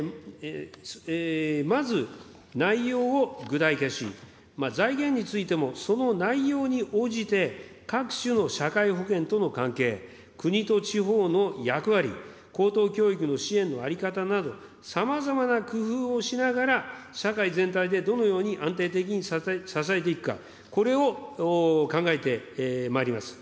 まず、内容を具体化し、財源についてもその内容に応じて、各種の社会保険との関係、国と地方の役割、高等教育の支援の在り方など、さまざまな工夫をしながら、社会全体でどのように安定的に支えていくか、これを考えてまいります。